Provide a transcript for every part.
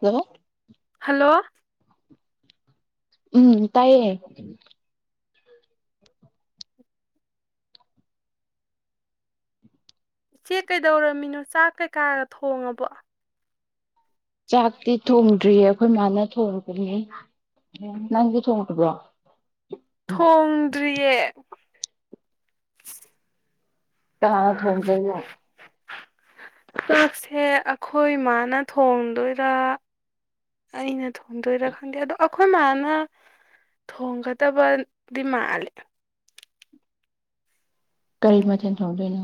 ꯀꯂꯣ ꯍꯜꯂꯣ ꯎꯝ ꯇꯥꯏꯌꯦ ꯏꯆꯦ ꯀꯩꯗꯧꯔꯝꯃꯤꯅꯣ ꯆꯥꯛ ꯀꯩꯀꯥꯒ ꯊꯣꯡꯉꯕꯣ ꯆꯥꯛꯇꯤ ꯊꯣꯡꯗ꯭ꯔꯤꯌꯦ ꯑꯩꯈꯣꯏ ꯃꯥꯅ ꯊꯣꯡꯉꯕꯅꯤ ꯅꯪꯗꯤ ꯊꯣꯡꯕ꯭ꯔꯣ ꯊꯣꯡꯗ꯭ꯔꯤꯌꯦ ꯀꯥ ꯊꯗ ꯄꯥꯛꯁꯦ ꯑꯩꯈꯣꯏ ꯏꯃꯥꯅ ꯊꯣꯡꯗꯣꯏꯔꯥ ꯑꯩꯅ ꯊꯗꯣꯏꯔ ꯈꯗ ꯑꯗꯨꯣ ꯑꯈꯣꯏ ꯊꯣꯡꯒꯗꯕꯗꯤ ꯃꯥꯜꯂꯦ ꯀꯔꯤ ꯃꯊꯅ ꯊꯧꯗꯅꯣ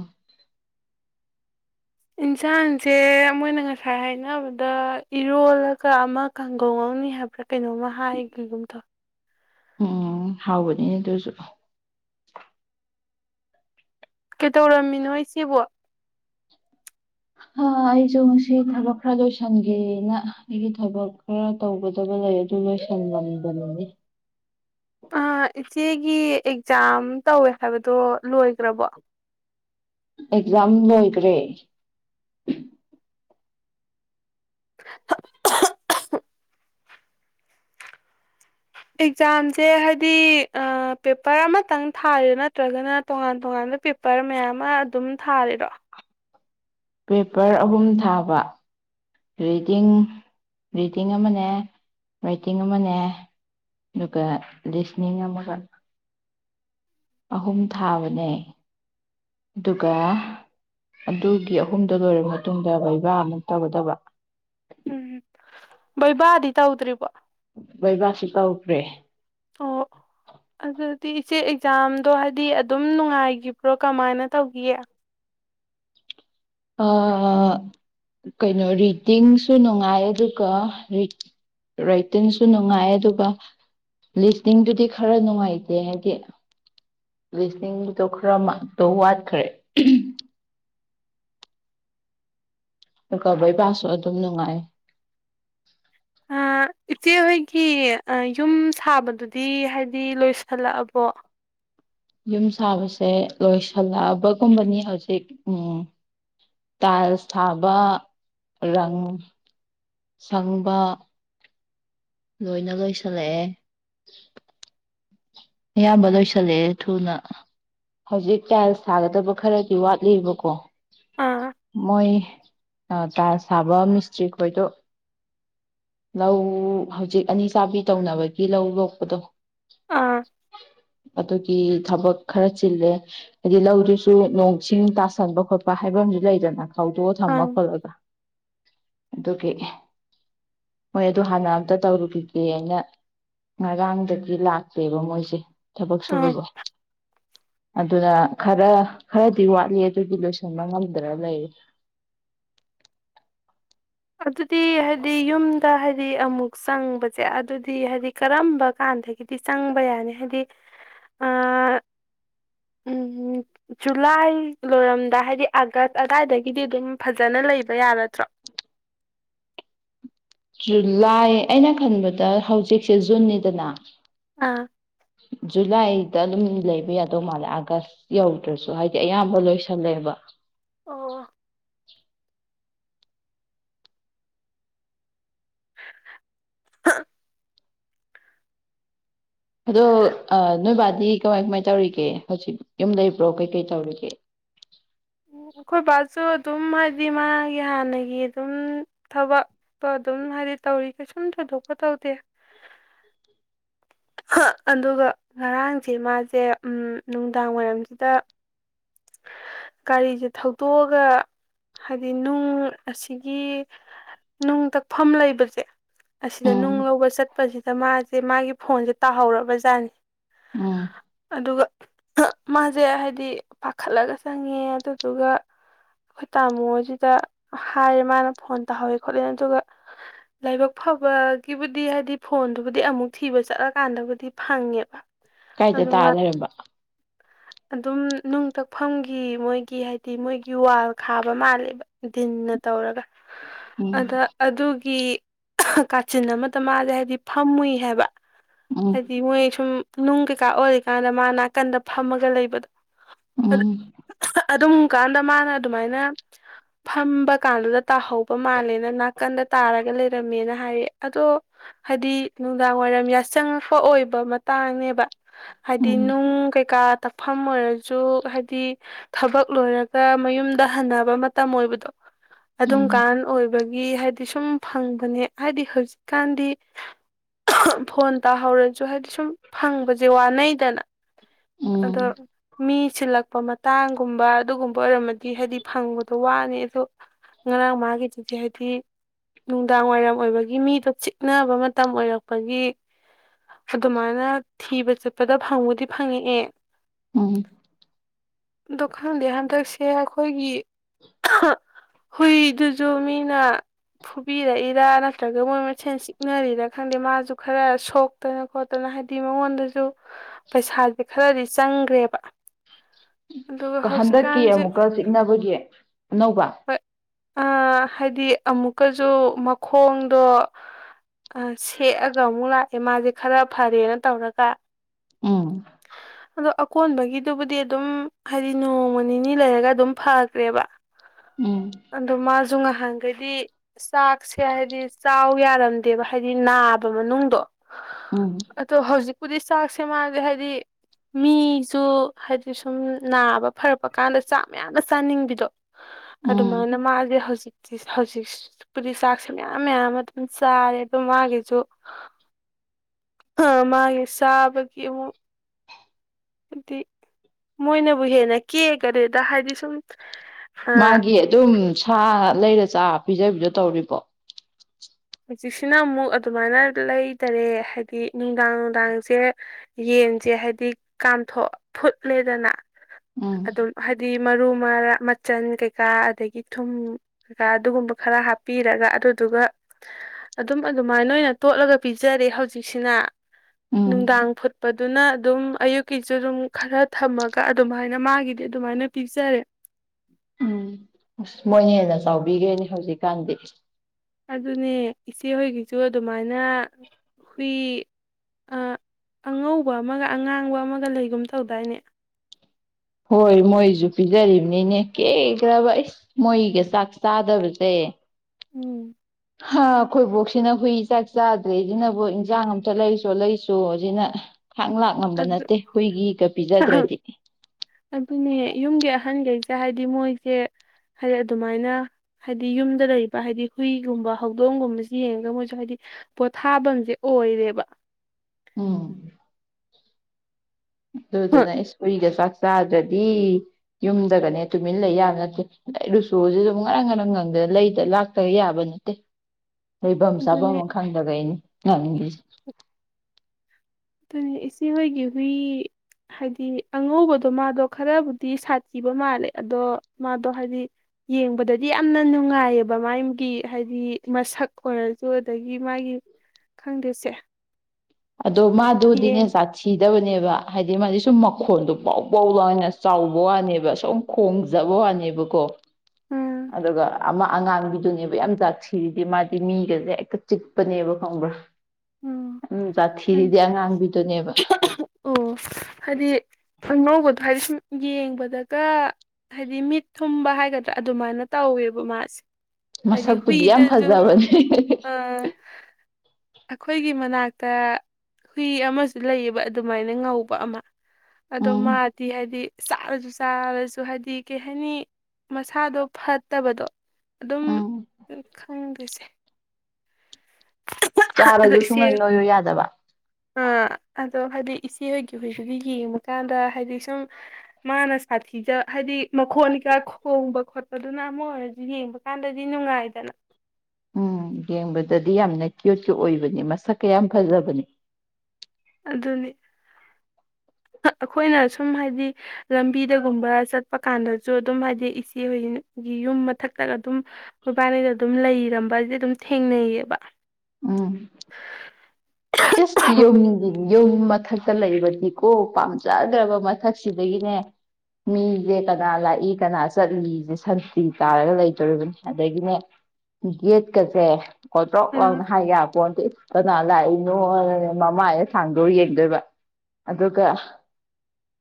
ꯏꯟꯁꯥꯡꯁꯦ ꯃꯣꯏꯅ ꯉꯁꯥꯏ ꯍꯥꯏꯅꯕꯗ ꯏꯔꯣꯜꯂꯒ ꯑꯃ ꯀꯥꯡꯒꯧꯒꯧꯅꯤ ꯍꯥꯏꯕ꯭ꯔꯥ ꯀꯩꯅꯣꯝꯃ ꯍꯥꯏ ꯀꯔꯤꯒꯨꯝꯗꯣ ꯎꯝ ꯍꯥꯎꯅꯤ ꯑꯗꯨꯁꯨ ꯀꯩꯇꯧꯔꯝꯃꯤꯅꯣ ꯁꯤꯕꯣ ꯑꯩꯁꯨ ꯉꯁꯤ ꯊꯕꯛ ꯈꯔ ꯂꯣꯏꯁꯟꯒꯦꯅ ꯑꯩꯒꯤ ꯊꯕꯛ ꯈꯔ ꯇꯧꯒꯗꯕ ꯂꯩ ꯑꯗꯨ ꯂꯣꯏꯁꯜꯂꯝꯕꯅꯤꯅꯦ ꯏꯆꯦꯒꯤ ꯑꯦꯛꯖꯥꯝ ꯇꯧꯋꯦ ꯍꯥꯏꯕꯗꯣ ꯂꯣꯏꯈ꯭ꯔꯕꯣ ꯑꯦꯖꯝ ꯂ ꯑꯣꯏꯈ꯭ꯔꯦ ꯑꯦꯛꯖꯥꯝꯁꯦ ꯍꯥꯏꯗꯤ ꯄꯦꯄꯔ ꯑꯃꯇꯪ ꯊꯥꯔꯤꯦꯣ ꯅꯠꯇ꯭ꯔꯒꯅ ꯇꯣꯉꯥꯟ ꯇꯣꯉꯥꯟꯕ ꯄꯦꯄꯔ ꯃꯌꯥꯝ ꯑꯃ ꯑꯗꯨꯝ ꯊꯥꯔꯤꯗꯣ ꯄꯦꯄꯔ ꯑꯍꯨꯝ ꯊꯥꯕ ꯔꯤꯗꯤꯡ ꯔꯤꯗꯤꯡ ꯑꯃꯅꯦ ꯔꯥꯏꯇꯤꯡ ꯑꯃꯅꯦ ꯑꯗꯨꯒ ꯂꯤꯁꯅꯤꯡ ꯑꯃꯒ ꯑꯍꯨꯝ ꯊꯥꯕꯅꯦ ꯑꯗꯨꯒ ꯑꯗꯨꯒꯤ ꯑꯍꯨꯝꯗ ꯂꯣꯏꯔꯕ ꯃꯇꯨꯡꯗ ꯕꯩꯕꯥ ꯑꯃꯨꯛ ꯇꯧꯒꯗꯕ ꯎꯝ ꯕꯩꯕꯥꯗꯤ ꯇꯧꯗ꯭ꯔꯤꯕꯣ ꯩꯚꯥꯁꯤ ꯇ ꯎ꯭ꯔꯦ ꯑꯣ ꯑꯗꯨ ꯑꯗꯨ ꯏꯆꯦ ꯑꯦꯛꯖꯥꯝꯗꯣ ꯍꯥꯏꯗꯤ ꯑꯗꯨꯝ ꯅꯨꯡꯉꯥꯏꯈꯤꯕ꯭ꯔꯣ ꯀꯃꯥꯏꯅ ꯇꯧꯈꯤꯌꯦ ꯀꯩꯅꯣ ꯔꯤꯗꯤꯡꯁꯨ ꯅꯨꯡꯉꯥꯏ ꯑꯗꯨꯒ ꯔꯥꯏꯇꯤꯡꯁꯨ ꯅꯨꯡꯉꯥꯏ ꯑꯗꯨꯒ ꯂꯤꯁꯅꯤꯡꯗꯨꯗꯤ ꯈꯔ ꯅꯨꯡꯉꯥꯏꯇꯦ ꯍꯥꯏꯗꯤ ꯂꯤꯁꯅꯤꯡꯗꯨꯗꯣ ꯈꯔꯛꯇꯣ ꯋꯥꯠꯈ꯭ꯔꯦ ꯀꯕꯩ ꯄꯥꯁ ꯑꯗꯨꯝ ꯅꯨꯡꯉꯥꯏ ꯏꯆꯦꯍꯣꯏꯒꯤ ꯌꯨꯝ ꯁꯥꯕꯗꯨꯗꯤ ꯍꯥꯏꯗꯤ ꯂꯣꯏꯁꯤꯜꯂꯛꯑꯕꯣ ꯌꯨꯝ ꯁꯥꯕꯁꯦ ꯂꯣꯏꯁꯤꯜꯂꯛꯑꯕꯒꯨꯝꯕꯅꯤ ꯍꯧꯖꯤꯛ ꯇꯥꯏꯜꯁ ꯁꯥꯕ ꯔꯪ ꯁꯪꯕ ꯂꯣꯏꯅ ꯂꯣꯏꯁꯤꯜꯂꯛꯑꯦ ꯑꯌꯥꯝꯕ ꯂꯣꯏꯁꯤꯜꯂꯛꯑꯦ ꯊꯨꯅ ꯍꯧꯖꯤꯛ ꯇꯥꯏꯜ ꯁꯥꯒꯗꯕ ꯈꯔꯗꯤ ꯋꯥꯠꯂꯤꯕꯀꯣ ꯑꯥ ꯃꯣꯏ ꯇꯥꯏꯜ ꯁꯥꯕ ꯃꯤꯁꯇ꯭ꯔꯤꯛ ꯈꯣꯏꯗꯣ ꯂꯧ ꯍꯧꯖꯤꯛ ꯑꯅꯤ ꯆꯕꯤ ꯇꯧꯅꯕꯒꯤ ꯂꯧ ꯂꯣꯛꯄꯗꯣ ꯑꯥ ꯑꯗꯨꯒꯤ ꯊꯕꯛ ꯈꯔ ꯆꯤꯜꯂꯦ ꯍꯥꯏꯗꯤ ꯂꯧꯗꯨꯁꯨ ꯅꯣꯡꯁꯤꯡ ꯇꯥꯁꯟꯕ ꯈꯣꯠꯄ ꯍꯥꯏꯕ ꯑꯝꯨ ꯂꯩꯗꯅ ꯊꯥꯎꯗ ꯊꯝꯃ ꯑꯥ ꯈꯂꯒ ꯑꯗꯨꯗꯨ ꯐꯩ ꯍꯣꯏ ꯑꯗꯨ ꯍꯥꯟꯅ ꯑꯝꯇ ꯇꯧꯔꯨꯈꯤꯒꯦ ꯑꯩꯅ ꯉꯔꯥꯡꯗꯒꯤ ꯂꯥꯛꯇꯦꯕ ꯃꯣꯏꯁꯦ ꯊꯕꯛ ꯑꯥ ꯁꯨꯕꯕꯣ ꯑꯗꯨꯅ ꯈꯔ ꯈꯔꯗꯤ ꯋꯥꯠꯂꯤ ꯑꯗꯨꯗꯤ ꯂꯣꯏꯁꯟꯕ ꯉꯝꯗ꯭ꯔ ꯂꯩ ꯑꯗꯨꯗꯤ ꯍꯥꯏꯗꯤ ꯌꯨꯝꯗ ꯍꯥꯏꯗꯤ ꯑꯃꯨꯛ ꯆꯪꯕꯁꯦ ꯑꯗꯨꯗꯤ ꯍꯥꯏꯗꯤ ꯀꯔꯝꯕ ꯀꯥꯟꯗꯒꯤꯗꯤ ꯆꯪꯕ ꯌꯥꯅꯤ ꯍꯥꯏꯗꯤ ꯎꯝ ꯖꯨꯂꯥꯏ ꯂꯣꯏꯔꯝꯗꯥ ꯍꯥꯏꯗꯤ ꯑꯥꯒꯁ ꯑꯗꯨꯗꯥꯋꯥꯏꯗꯒꯤꯗꯤ ꯑꯗꯨꯝ ꯐꯖꯅ ꯂꯩꯕ ꯌꯥꯒꯠꯇ꯭ꯔꯣ ꯖꯨꯂꯥꯏ ꯑꯩꯅ ꯈꯟꯕꯗ ꯍꯧꯖꯤꯛꯁꯦ ꯖꯨꯟꯅꯤꯗꯅ ꯑꯥ ꯖꯨꯂꯥꯏꯗ ꯑꯗꯨꯝ ꯂꯩꯕ ꯌꯥꯗꯧ ꯃꯥꯜꯂꯦ ꯑꯥꯒꯁ ꯌꯧꯗ꯭ꯔꯁꯨ ꯍꯥꯏꯗꯤ ꯑꯌꯥꯝꯕ ꯂꯣꯏꯁꯜꯂꯦꯕ ꯑꯣ [inaudible] ꯑ ꯑꯗꯣ ꯅꯣꯏꯕꯥꯗꯤ ꯀꯃꯥꯏ ꯀꯃꯥꯏ ꯇꯧꯔꯤꯒꯦ ꯍꯧꯖꯤꯛ ꯌꯨꯝ ꯂꯩꯕ꯭ꯔꯣ ꯀꯩꯀꯩ ꯇꯧꯔꯤꯒꯦ ꯑꯩꯈꯣꯏ ꯕꯥꯁꯨ ꯑꯗꯨꯝ ꯍꯥꯏꯗꯤ ꯃꯥꯒꯤ ꯍꯥꯟꯅꯒꯤ ꯑꯗꯨꯝ ꯊꯕꯛꯇꯣ ꯑꯗꯨꯝ ꯍꯥꯏꯗꯤ ꯇꯧꯔꯤ ꯀꯩꯁꯨꯝ ꯊꯣꯏꯗꯣꯛꯄ ꯇꯧꯗꯦ ꯑꯗꯨꯒ ꯉꯔꯥꯡꯁꯦ ꯃꯥꯁꯦ ꯅꯨꯡꯗꯥꯡ ꯋꯥꯏꯔꯝꯁꯤꯗ ꯒꯥꯔꯤꯁꯦ ꯊꯧꯗꯣꯛꯑꯒ ꯍꯥꯏꯗꯤ ꯅꯨꯡ ꯑꯁꯤꯒꯤ ꯅꯨꯡ ꯇꯛꯐꯝ ꯂꯩꯕꯁꯦ ꯑꯁꯤꯗ ꯎꯝ ꯅꯨꯡ ꯂꯧꯕ ꯆꯠꯄꯁꯤꯗ ꯃꯥꯁꯦ ꯃꯥꯒꯤ ꯐꯣꯟꯁꯦ ꯇꯥꯍꯧꯔꯕꯖꯥꯠꯅꯤ ꯎꯝ ꯑꯗꯨꯒ ꯃꯥꯁꯦ ꯍꯥꯏꯗꯤ ꯄꯥꯈꯠꯂꯒ ꯆꯪꯉꯦ ꯑꯗꯨꯗꯨꯒ ꯑꯩꯈꯣꯏ ꯇꯥꯃꯣ ꯍꯁꯤꯗ ꯍꯥꯏꯔꯦ ꯃꯥꯅ ꯐꯣꯟ ꯇꯥꯍꯧꯋꯦ ꯈꯣꯠꯂꯦ ꯑꯗꯨꯒ ꯂꯥꯏꯕꯛ ꯐꯕꯒꯤꯕꯨꯗꯤ ꯍꯥꯏꯗꯤ ꯐꯣꯟꯗꯨꯕꯨꯗꯤ ꯑꯃꯨꯛ ꯊꯤꯕ ꯆꯠꯂꯀꯥꯟꯗꯕꯨꯗꯤ ꯐꯪꯉꯦꯕ ꯀꯥꯏꯗ ꯑꯗꯣ ꯇꯥ ꯉꯥꯛ ꯂꯩꯔꯝꯕ ꯑꯗꯨꯝ ꯅꯨꯡ ꯇꯛꯐꯝꯒꯤ ꯃꯣꯏꯒꯤ ꯍꯥꯏꯗꯤ ꯃꯣꯏꯒꯤ ꯋꯥꯜ ꯈꯥꯕ ꯃꯥꯜꯂꯦꯕ ꯗꯤꯟꯅ ꯇꯧꯔꯒ ꯎꯝ ꯑꯗ ꯑꯗꯨꯒꯤ ꯀꯥꯆꯤꯟ ꯑꯃꯇ ꯃꯥꯁꯦ ꯍꯥꯏꯕꯗꯤ ꯐꯝꯃꯨꯏ ꯍꯥꯏꯕ ꯎꯝ ꯑꯗꯤ ꯃꯁꯝ ꯅꯨꯡ ꯀꯩꯀꯥ ꯑꯣꯏꯔꯤꯀꯥꯟꯗ ꯃꯥ ꯅꯥꯀꯟꯗ ꯐꯝꯃꯒ ꯂꯩꯕꯗꯣ ꯎꯝ ꯑꯗꯨꯝ ꯀꯥꯟꯗ ꯃꯥꯅ ꯑꯗꯨꯃꯥꯏꯅ ꯐꯝꯕ ꯀꯥꯟꯗꯨꯗ ꯇꯥꯍꯧꯕ ꯃꯥꯜꯂꯦꯅ ꯅꯥꯀꯟꯗ ꯇꯥꯔꯒ ꯂꯩꯔꯝꯃꯦꯅ ꯍꯥꯏꯔ ꯑꯗꯣ ꯍꯥꯏꯗꯤ ꯅꯨꯡꯗꯥꯡ ꯋꯥꯏꯔꯝ ꯌꯥ ꯆꯪꯉꯛꯄ ꯑꯣꯏꯕ ꯃꯇꯥꯡꯅꯦꯕ ꯎꯝ ꯍꯥꯏꯗꯤꯅꯅꯨꯡ ꯀꯩꯀꯥ ꯇꯐꯝ ꯑꯣꯏꯔꯁꯨ ꯁꯨ ꯍꯥꯏꯗꯤ ꯊꯕꯛ ꯂꯣꯏꯔꯒ ꯃꯌꯨꯝꯗ ꯍꯟꯅꯕ ꯃꯇꯝ ꯑꯣꯏꯕꯗꯣ ꯑꯗꯨꯝ ꯎꯝ ꯀꯥꯟ ꯑꯣꯏꯕꯒꯤ ꯒꯤ ꯍꯥꯏꯗꯤ ꯁꯨꯝ ꯐꯪꯕꯅꯦ ꯍꯥꯏꯗꯤ ꯍꯧꯖꯤꯛꯀꯥꯟꯗꯤ ꯐꯣꯟ ꯇꯥꯍꯧꯔꯁꯨ ꯍꯥꯏꯗꯤ ꯁꯨꯝ ꯐꯪꯕꯁꯦ ꯋꯥꯅꯩꯗꯅ ꯎꯝ ꯑꯗ ꯁꯤꯜꯂꯛꯄ ꯃꯇꯥꯡꯒꯨꯝꯕ ꯑꯗꯨꯒꯨꯝꯕ ꯑꯣꯏꯔꯝꯃꯗꯤ ꯍꯥꯏꯗꯤ ꯐꯪꯕꯗꯣ ꯋꯥꯅꯤ ꯑꯗꯣ ꯉꯔꯥꯡ ꯃꯥꯒꯤꯗꯨꯗꯤ ꯍꯥꯏꯗꯤ ꯅꯨꯡꯗꯥꯡ ꯋꯥꯏꯔꯝ ꯑꯣꯏꯕꯒꯤ ꯃꯤꯗꯣ ꯆꯤꯛꯅꯕ ꯃꯇꯝ ꯑꯣꯏꯔꯛꯄꯒꯤ ꯑꯗꯨꯃꯥꯏꯅ ꯊꯤꯕ ꯆꯠꯄꯗ ꯐꯪꯕꯨꯗꯤ ꯐꯪꯉꯛꯑꯦ ꯎꯝ ꯑꯣ ꯈꯪꯗꯦ ꯍꯟꯗꯛꯁꯦ ꯑꯩꯈꯣꯏꯒꯤ ꯑ ꯍꯨꯏꯗꯨꯁꯨ ꯃꯤꯅ ꯐꯨꯕꯤꯔꯛꯏꯔꯥ ꯅꯠꯇ꯭ꯔꯒ ꯃꯣꯏ ꯃꯁꯦꯟ ꯆꯤꯛꯅꯔꯤꯔꯥ ꯈꯪꯗꯦ ꯃꯥꯁꯨ ꯈꯔ ꯁꯣꯛꯇꯅ ꯈꯣꯠꯇꯅ ꯍꯥꯏꯗꯤ ꯃꯉꯣꯟꯗꯁꯨ ꯄꯩꯁꯥꯁꯦ ꯈꯔꯗꯤ ꯆꯪꯈ꯭ꯔꯦꯕ ꯑꯗꯨꯒ ꯍꯟꯗꯛꯀꯤ ꯍꯧꯖꯤꯛꯀꯥꯟꯁꯦ ꯑꯃꯨꯛꯀ ꯆꯤꯛꯅꯕꯒꯤ ꯑꯅꯧꯕ ꯍꯣꯏ ꯍꯥꯏꯗꯤ ꯑꯃꯨꯛꯀꯁꯨ ꯃꯈꯣꯡꯗꯣ ꯁꯦꯠꯑꯒ ꯑꯃꯨꯛ ꯂꯥꯛꯑꯦ ꯃꯥꯁꯦ ꯈꯔ ꯐꯔꯦꯅ ꯇꯧꯔꯒ ꯎꯝ ꯑꯗꯣ ꯑꯀꯣꯟꯕꯒꯤ ꯑꯗꯨꯕꯨꯗꯤ ꯑꯗꯨꯝ ꯍꯥꯏꯗꯤ ꯅꯣꯡꯃ ꯅꯤꯅꯤ ꯂꯩꯔꯒ ꯑꯗꯨꯝ ꯐꯈ꯭ꯔꯦꯕ ꯎꯝ ꯑꯗꯨꯗꯣ ꯃꯥꯖꯣ ꯑꯍꯥꯡꯈꯩ ꯑꯗꯨ ꯆꯥꯛꯁꯦ ꯍꯥꯏꯗꯤ ꯆꯥꯎ ꯌꯥꯔꯒ ꯈꯗꯦꯕ ꯍꯥꯏꯗꯤ ꯅꯥꯕ ꯃꯅꯨꯡꯗꯣ ꯎꯝ ꯑꯗꯣ ꯍꯧꯖꯤꯛꯄꯨꯗꯤ ꯆꯥꯛꯁꯦ ꯃꯥꯁꯦ ꯍꯥꯏꯗꯤ ꯃꯤꯁꯨ ꯍꯥꯏꯗꯤ ꯁꯨꯝ ꯅꯥꯕ ꯐꯔꯛꯄ ꯀꯥꯟꯗ ꯆꯥꯛ ꯃꯌꯥꯝꯅ ꯆꯥꯅꯤꯡꯕꯤꯗꯣ ꯎꯝ ꯑꯗꯨꯃꯥꯏꯅ ꯃꯥꯁꯦ ꯍꯧꯖꯤꯛꯇꯤ ꯍꯧꯖꯤꯛꯄꯨꯗꯤ ꯆꯥꯛꯁꯦ ꯃꯌꯥꯝ ꯃꯌꯥꯝ ꯑꯃ ꯑꯗꯨꯝ ꯆꯥꯔꯦ ꯑꯗ ꯃꯥꯒꯤꯁꯨ ꯑ ꯃꯥꯒꯤꯦ ꯁꯥꯕꯒꯤ ꯍꯥꯏꯗꯤ ꯃꯣꯏꯅꯕꯨ ꯍꯦꯟꯅ ꯀꯦꯒꯔꯗ ꯍꯥꯏꯗꯤ ꯁꯨꯝ ꯑ ꯃꯥꯒꯤ ꯑꯗꯨꯝ ꯁꯥ ꯂꯩꯔ ꯆꯥ ꯄꯤꯖ ꯄꯤꯖ ꯇꯧꯔꯤꯕꯣ ꯍꯧꯖꯤꯛꯁꯤꯅ ꯑꯃꯨꯛ ꯑꯗꯨꯃꯥꯏꯅ ꯂꯩꯇꯔꯦ ꯍꯥꯏꯗꯤ ꯅꯨꯡꯗꯥꯡ ꯅꯨꯡꯗꯥꯡꯁꯦ ꯌꯦꯟꯁꯦ ꯍꯥꯏꯕꯗꯤ ꯀꯥꯝꯊꯣꯛ ꯐꯨꯠꯂꯦꯗꯅ ꯎꯝ ꯑꯣ ꯍꯥꯏꯗꯤ ꯃꯔꯨ ꯃꯔꯥꯡ ꯃꯆꯟ ꯀꯩꯀꯥ ꯑꯗꯒꯤ ꯊꯨꯝ ꯀꯩꯀꯥ ꯑꯗꯨꯒꯨꯝꯕ ꯈꯔ ꯍꯥꯞꯄꯤꯔꯒ ꯑꯗꯨꯗꯨꯒ ꯑꯗꯨꯝ ꯑꯗꯨꯃꯥꯏꯅ ꯑꯣꯏꯅ ꯇꯣꯠꯂꯒ ꯄꯤꯖꯔꯦ ꯍꯧꯖꯤꯛꯁꯤꯅ ꯎꯝ ꯅꯨꯡꯗꯥꯡ ꯐꯨꯠꯄꯗꯨꯅ ꯑꯗꯨꯝ ꯑꯌꯨꯛꯀꯤꯁꯨ ꯑꯗꯨꯝ ꯈꯔ ꯊꯝꯃꯒ ꯑꯗꯨꯃꯥꯏꯅ ꯃꯥꯒꯤꯗꯤ ꯑꯗꯨꯃꯥꯏꯅ ꯄꯤꯖꯔꯦ ꯑꯁ ꯃꯣꯏꯅ ꯍꯦꯟꯅ ꯆꯥꯎꯕꯤꯒꯦꯅꯦ ꯍꯧꯖꯤꯛꯀꯥꯟꯗꯤ ꯑꯗꯨꯅꯦ ꯏꯆꯦ ꯍꯣꯏꯒꯤꯁꯨ ꯑꯗꯨꯃꯥꯏꯅ ꯍꯨꯏ ꯑꯉꯧꯕ ꯑꯃꯒ ꯑꯉꯥꯡꯕ ꯑꯃꯒ ꯂꯩꯒꯨꯝ ꯇꯧꯗꯥꯏꯅꯦ ꯍꯣꯏ ꯃꯣꯏꯁꯨ ꯄꯤꯖꯔꯤꯕꯅꯤꯅꯦ ꯀꯦꯈ꯭ꯔꯕ ꯑꯩꯁ ꯃꯣꯏꯒ ꯆꯥꯛ ꯆꯥꯗꯕꯁꯦ ꯎꯝ ꯍꯥ ꯈꯣꯏꯕꯣꯛꯁꯤꯅ ꯍꯨꯏ ꯆꯥꯛ ꯆꯥꯗ꯭ꯔꯦꯁꯤꯅꯕꯨ ꯏꯟꯖꯥꯡ ꯑꯝꯇ ꯂꯩꯁꯨꯣ ꯂꯩꯁꯨ ꯁꯤꯅ ꯊꯥꯡ ꯂꯥꯛꯂꯝꯝꯕ ꯑꯗꯨ ꯅꯠꯇꯦ ꯍꯨꯏꯒꯤꯒ ꯄꯤꯖꯗ꯭ꯔꯗꯤ ꯁꯦ ꯍꯥꯏꯗꯤ ꯃꯣꯏꯁꯦ ꯍꯥꯏꯗꯤ ꯑꯗꯨꯃꯥꯏꯅ ꯍꯥꯏꯗꯤ ꯌꯨꯝꯗ ꯂꯩꯕ ꯍꯥꯏꯗꯤ ꯍꯨꯏꯒꯨꯝꯕ ꯍꯧꯗꯣꯡꯒꯨꯝꯕꯁꯤ ꯌꯦꯡꯉꯒ ꯃꯣꯏꯁꯨ ꯍꯥꯏꯗꯤ ꯄꯣꯊꯥꯐꯝꯁꯦ ꯑꯣꯏꯔꯦꯕ ꯎꯝ ꯑꯗꯨ ꯑꯗꯨꯗꯁꯣꯒ ꯁꯥ ꯥꯛ ꯆꯥꯗ꯭ꯔꯗꯤ ꯌꯨꯝꯗꯒꯅꯦ ꯇꯨꯃꯤꯟ ꯂꯩ ꯌꯥꯝꯕ ꯅꯠꯇꯦꯗ ꯂꯨꯁꯨꯁꯤ ꯑꯗꯨꯝ ꯉꯔꯥꯡ ꯉꯔꯥꯡ ꯉꯪꯗꯅ ꯂꯩꯗ ꯂꯥꯛꯇꯕ ꯌꯥꯕ ꯅꯠꯇꯦ ꯂꯩꯐꯝ ꯆꯥꯐꯝ ꯑꯗꯨꯅꯦ ꯑꯃ ꯈꯪꯗꯒꯩꯅꯤ ꯉꯥꯡꯅꯤꯡꯉꯁꯦ ꯑꯗꯨꯅꯦ ꯏꯆꯦ ꯍꯣꯏꯒꯤ ꯍꯨꯏ ꯍꯥꯏꯗꯤ ꯑꯉꯧꯕꯗꯣ ꯃꯥꯗꯣ ꯈꯔꯕꯨꯗꯤ ꯁꯥꯊꯤꯕ ꯃꯥꯜꯂꯦ ꯑꯗꯣ ꯃꯥꯗꯣ ꯍꯥꯏꯗꯤ ꯌꯦꯡꯕꯗꯗꯤ ꯌꯥꯝꯅ ꯅꯨꯡꯉꯥꯏꯌꯦꯕ ꯃꯥꯒꯤ ꯍꯥꯏꯗꯤ ꯃꯁꯛ ꯑꯣꯏꯔꯁꯨ ꯑꯗꯒꯤ ꯃꯥꯒꯤ ꯈꯪꯗꯦꯁꯦ [inaudible] ꯑꯗꯣ ꯃꯥꯗꯨꯗꯤꯅꯦ ꯌꯦꯡ ꯁꯥꯁꯤꯤ ꯍꯥꯏꯗꯕꯅꯦꯕ ꯍꯥꯏꯗꯤ ꯃꯥꯗꯤ ꯁꯨꯝ ꯃꯈꯣꯟꯗꯣ ꯄꯥꯎ ꯄꯥꯎ ꯂꯥꯎꯅ ꯆꯥꯎꯕ ꯋꯥꯅꯦꯕ ꯁꯨꯝ ꯈꯣꯡꯖꯕ ꯋꯥꯅꯦꯕꯀꯣ ꯎꯝ ꯑꯗꯨꯒ ꯑꯃ ꯑꯉꯥꯡꯒꯤꯗꯨꯅꯦꯕ ꯌꯥꯝ ꯆꯥꯛ ꯊꯔꯤꯗꯤ ꯃꯥꯗꯤ ꯃꯤꯒꯁꯦ ꯍꯦꯛꯇ ꯆꯤꯛꯄꯅꯦꯕ ꯈꯪꯕ꯭ꯔꯥ ꯎꯝ ꯍꯥꯏꯗꯤ ꯖꯥꯊꯤꯔꯤꯗꯤ ꯑꯉꯥꯡꯕꯤꯗꯨꯅꯦꯕ ꯑꯣ ꯍꯥꯏꯗꯤ ꯑꯅꯧꯕꯗꯣ ꯍꯥꯏꯗꯤ ꯁꯨꯝ ꯌꯦꯡꯕꯗꯒ ꯍꯥꯏꯗꯤ ꯃꯤꯠ ꯊꯨꯝꯕ ꯍꯥꯏꯒꯗ꯭ꯔꯥ ꯑꯗꯨꯃꯥꯏꯅ ꯇꯧꯋꯦꯕ ꯃꯥꯁꯦ ꯍꯥꯏꯗꯤ ꯃꯁꯛꯄꯨꯗꯤ ꯌꯥꯝ ꯍꯨꯏꯗꯁꯨ ꯐꯖꯕꯅꯦ ꯑꯩꯈꯣꯏꯒꯤ ꯃꯅꯥꯛꯇ ꯍꯨꯏ ꯑꯃꯁꯨ ꯂꯩꯌꯦꯕ ꯑꯗꯨꯃꯥꯏꯅ ꯉꯧꯕ ꯑꯃ ꯑꯗꯣ ꯎꯝ ꯃꯥꯗꯤꯤ ꯍꯥꯏꯗꯤ ꯆꯥꯔꯁꯨ ꯆꯥꯔꯁꯨ ꯍꯥꯏꯗꯤ ꯀꯩ ꯍꯥꯏꯅꯤ ꯃꯁꯥꯗꯣ ꯐꯠꯇꯕꯗꯣ ꯑꯗꯨꯝ ꯎꯝ ꯈꯪꯗꯣꯏꯁꯦ ꯑꯗꯣ ꯆꯥꯔꯁꯨ ꯏꯆꯦ ꯁꯨꯡꯉꯩ ꯅꯣꯏꯌꯨ ꯌꯥꯗꯕ ꯑꯥ ꯑꯗꯣ ꯍꯥꯏꯗꯤ ꯏꯆꯦ ꯍꯣꯏꯒꯤ ꯍꯣꯏꯁꯨꯁꯨ ꯌꯦꯡꯕ ꯀꯥꯟꯗ ꯍꯥꯏꯗꯤ ꯁꯨꯝ ꯃꯥꯅ ꯁꯥꯊꯤꯗ ꯍꯥꯏꯗꯤ ꯃꯈꯣꯠꯅꯤꯀꯥ ꯈꯣꯡꯕ ꯈꯣꯠꯄꯗꯨꯅ ꯑꯃ ꯑꯣꯏꯔꯁꯨ ꯌꯦꯡꯕ ꯀꯥꯟꯗꯗꯤ ꯅꯨꯡꯉꯥꯏꯗꯅ ꯎꯝ ꯌꯦꯡꯕꯗꯗꯤ ꯌꯥꯝꯅ ꯀ꯭ꯌꯨꯠꯀꯤ ꯑꯣꯏꯕꯅꯦ ꯃꯁꯛꯀ ꯌꯥꯝ ꯐꯖꯕꯅꯤ ꯑꯗꯨꯅꯤ ꯑꯩꯈꯣꯏꯅ ꯁꯨꯝ ꯍꯥꯏꯗꯤ ꯂꯝꯕꯤꯗꯒꯨꯝꯕ ꯆꯠꯄ ꯀꯥꯟꯗꯁꯨ ꯑꯗꯨꯝ ꯍꯥꯏꯗꯤ ꯏꯆꯦ ꯍꯣꯏꯒꯤ ꯌꯨꯝ ꯃꯊꯛꯇꯒ ꯑꯗꯨꯝ ꯃꯕꯥꯏꯉꯩꯗ ꯑꯗꯨꯝ ꯂꯩꯔꯝꯕꯁꯦ ꯑꯗꯨꯝ ꯊꯦꯡꯅꯩꯌꯦꯕ ꯎꯝ ꯇꯁ ꯌꯣ ꯌꯨꯝ ꯃꯊꯛꯇ ꯂꯩꯕꯅꯤꯀꯣ ꯄꯥꯝꯖꯗ꯭ꯔꯕ ꯃꯊꯛꯁꯤꯗꯒꯤꯅꯦ ꯃꯤꯁꯦ ꯀꯅꯥ ꯂꯥꯛꯏ ꯀꯅꯥ ꯆꯠꯂꯤꯁꯦ ꯁꯟꯇꯤ ꯇꯥꯔꯒ ꯂꯩꯗꯣꯔꯤꯕꯅꯤ ꯑꯗꯒꯤꯅꯦ ꯒꯦꯠꯀꯁꯦ ꯍꯣꯏ ꯇ꯭ꯔꯣ ꯎꯝ ꯂꯥꯎꯅ ꯍꯥꯏ ꯌꯥ ꯀꯣꯟ ꯅꯒ ꯃꯃꯥꯌꯦ ꯁꯥꯡꯗꯧ ꯌꯦꯡꯗꯣꯏꯕ ꯑꯗꯨꯒ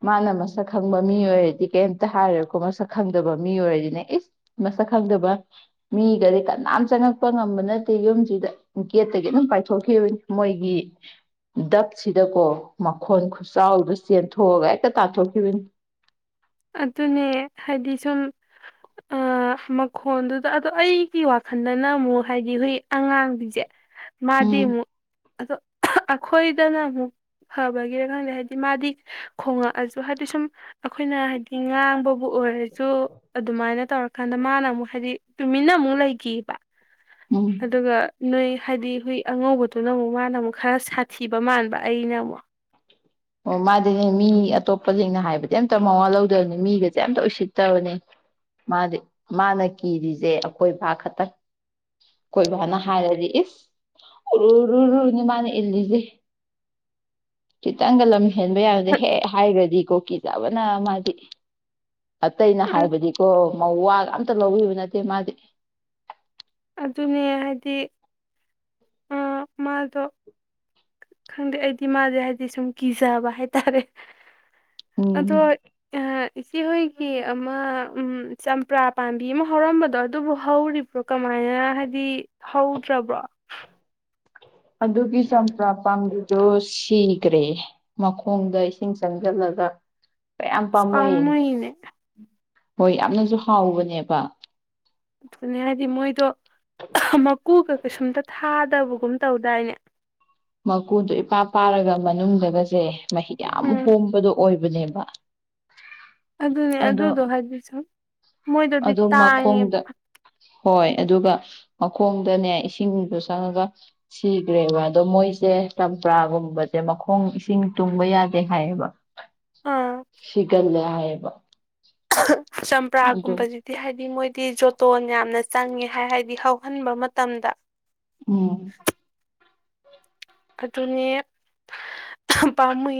ꯃꯥꯅ ꯃꯁꯛ ꯈꯪꯕ ꯃꯤ ꯑꯣꯏꯔꯗꯤ ꯀꯩꯝꯇ ꯍꯥꯏꯔꯦꯀꯣ ꯃꯁꯛ ꯈꯪꯗꯕ ꯃꯤ ꯑꯣꯏꯔꯗꯤꯅꯦ ꯏꯁ ꯃꯁꯛ ꯈꯪꯗꯕ ꯃꯤꯒꯗꯤ ꯀꯅꯥꯝ ꯆꯪꯉꯛꯄ ꯉꯝꯕ ꯅꯠꯇꯦ ꯌꯨꯝꯁꯤꯗ ꯒꯦꯠꯇꯒꯤ ꯑꯗꯨꯝ ꯄꯥꯏꯊꯣꯛꯈꯤꯕꯅꯤ ꯃꯣꯏꯒꯤ ꯗꯛꯁꯤꯗꯀꯣ ꯃꯈꯣꯟ ꯈꯨꯆꯥꯎꯗ ꯆꯦꯟꯊꯣꯛꯑꯒ ꯍꯦꯛꯇ ꯇꯥꯊꯣꯛꯈꯤꯕꯅꯤ ꯑꯗꯨꯅꯦ ꯍꯥꯏꯗꯤ ꯁꯨꯝ ꯑ ꯃꯈꯣꯟꯗꯨꯗ ꯑꯗꯣ ꯑꯩꯒꯤ ꯋꯥꯈꯜꯗꯅ ꯑꯃꯨꯛ ꯍꯥꯏꯗꯤ ꯍꯈꯣꯏ ꯑꯉꯥꯡꯁꯤꯡꯁꯦ ꯎꯝ ꯃꯥꯗꯤꯃꯨ ꯑꯗꯣ ꯑꯩꯈꯣꯏꯗꯅ ꯑꯃꯨꯛ ꯐꯕꯒꯤꯔꯥ ꯈꯪꯗꯦ ꯍꯥꯏꯗꯤ ꯃꯥꯗꯤ ꯈꯣꯡꯉꯛꯑꯁꯨ ꯍꯥꯏꯗꯤ ꯁꯨꯝ ꯑꯩꯈꯣꯏꯅ ꯍꯥꯏꯗꯤ ꯊꯤꯉꯥꯡ ꯕꯨ ꯑꯣꯏꯔꯁꯨ ꯑꯗꯨꯃꯥꯏꯅ ꯇꯧꯔꯀꯥꯟꯗ ꯃꯥꯅ ꯑꯃꯨꯛ ꯍꯥꯏꯗꯤ ꯇꯨꯃꯤꯅ ꯃꯨ ꯂ ꯂꯩ ꯀ ꯄꯥ ꯎꯝ ꯑꯗꯨꯒ ꯅꯣꯏ ꯍꯥꯏꯗꯤ ꯍꯨꯏ ꯑꯉꯧꯕꯗꯨꯅ ꯑꯃꯨꯛ ꯃꯥꯅ ꯑꯃꯨꯛ ꯈꯔ ꯁꯥꯊꯤꯕ ꯃꯥꯟꯕ ꯑꯩꯅ ꯑꯃꯨꯛ ꯑꯣ ꯃꯥꯗꯤꯅꯦ ꯃꯤ ꯑꯇꯣꯞꯄꯁꯤꯡꯅ ꯍꯥꯏꯕꯗꯤ ꯑꯝꯇ ꯃꯋꯥ ꯂꯧꯗꯕꯅꯤ ꯃꯤꯒꯁꯦ ꯑꯝꯇ ꯎꯁꯤꯠꯇꯕꯅꯦ ꯃꯥꯗꯤ ꯃꯥꯅ ꯀꯤꯔꯤꯁꯦ ꯑꯩꯈꯣꯏ ꯏꯕ ꯈꯛꯇꯪ ꯀꯣꯏꯕꯅ ꯍꯥꯏꯔꯗꯤ ꯏꯁ ꯎꯔꯔꯅꯤ ꯃꯥꯅꯦ ꯏꯜꯁꯤꯦ ꯈꯤꯇꯪꯒ ꯂꯝ ꯍꯦꯟꯕ ꯌꯥꯕꯗ ꯍꯦꯛ ꯍꯥꯏꯈ꯭ꯔꯗꯤ ꯀꯣꯀꯤ ꯆꯥꯕꯅ ꯃꯥꯗꯤ ꯑꯇꯩ ꯑꯩꯅ ꯍꯥꯏꯕꯗꯤꯀꯣ ꯃꯧ ꯋꯥ ꯑꯝꯇ ꯂꯧꯕꯤꯕ ꯅꯠꯇꯦ ꯃꯥꯗꯤ ꯑꯗꯨꯅꯦ ꯍꯥꯏꯗꯤ ꯃꯥꯗꯣ ꯈꯪꯗꯦ ꯑꯩꯗꯤ ꯃꯥꯁꯦ ꯍꯥꯏꯕꯗꯤ ꯁꯨꯝ ꯀꯤꯖꯕ ꯍꯥꯏ ꯇꯔꯦ ꯎꯝ ꯑꯗꯣ ꯑ ꯏꯆꯦꯍꯣꯏꯒꯤ ꯑꯃ ꯎ ꯆꯝꯄ꯭ꯔꯥ ꯄꯥꯝꯕꯤ ꯑꯃ ꯍꯧꯔꯝꯕꯗꯣ ꯑꯗꯨꯕꯨ ꯍꯧꯔꯤꯕ꯭ꯔꯣ ꯀꯃꯥꯏꯅ ꯍꯥꯏꯗꯤ ꯍꯧꯗ꯭ꯔꯕ꯭ꯔꯣ ꯑꯗꯨꯒꯤ ꯆꯝꯄ꯭ꯔꯥ ꯄꯥꯝꯕꯤꯗꯣ ꯁꯤꯈ꯭ꯔꯦ ꯃꯈꯣꯡꯗ ꯏꯁꯤꯡ ꯆꯪꯁꯤꯜꯂꯒ ꯀꯌꯥꯝ ꯄꯥꯝꯃꯨꯏ ꯄꯝꯃꯨꯣꯌꯅꯦ ꯍꯣꯏ ꯌꯥꯝꯅꯁꯨ ꯍꯥꯎꯕꯅꯦꯕ ꯅꯦ ꯍꯥꯏꯗꯤ ꯃꯣꯏꯗꯨꯣ ꯛ ꯀꯨꯀ ꯀꯩꯁꯨꯝꯇ ꯊꯥꯗꯕꯒꯨꯝ ꯇꯧꯗꯥꯏꯅꯦ ꯃꯀꯨꯗꯨꯣ ꯏꯄꯥ ꯄꯥꯔꯒ ꯃꯅꯨꯡꯗꯒꯁꯦ ꯃꯍꯤ ꯌꯥꯝ ꯎꯝ ꯍꯣꯡꯕꯗꯣ ꯑꯣꯏꯕꯅꯦꯕ ꯋꯥ ꯑꯗꯨꯅꯦ ꯑꯗꯨꯗꯣ ꯍꯥꯏꯗꯤ ꯁꯨꯝ ꯃꯣꯏꯗꯗꯤ ꯑꯗꯣ ꯇꯥꯏꯌꯦꯕ ꯃꯈꯣꯡꯗ ꯍꯣꯏ ꯑꯗꯨꯒ ꯃꯈꯣꯡꯗꯅꯦ ꯏꯁꯤꯡꯗ ꯆꯪꯉꯒ ꯁꯤꯈ꯭ꯔꯦꯕ ꯑꯗꯣ ꯃꯣꯏꯁꯦ ꯆꯝꯄ꯭ꯔꯥꯒꯨꯝꯕꯁꯦ ꯃꯈꯣꯡ ꯏꯁꯤꯡ ꯇꯨꯡꯕ ꯌꯥꯗꯦ ꯍꯥꯏꯌꯦꯕ ꯑꯥ ꯁꯤꯒꯂꯦ ꯍꯥꯏ ꯕ [inaudible] ꯆꯝꯄ꯭ꯔꯥꯒꯨꯝꯕꯁꯤꯗꯤ ꯍꯥꯏꯗꯤ ꯃꯣꯏ ꯗꯤ ꯖꯣꯇꯣꯟ ꯌꯥꯝꯅ ꯆꯪꯉꯦ ꯍꯥꯏ ꯍꯥꯏꯔꯗꯤ ꯍꯧꯍꯟꯕ ꯃꯇꯝꯗ ꯎꯝ ꯑꯗꯨ ꯑꯗꯨꯅꯤ ꯄ ꯃꯣꯏ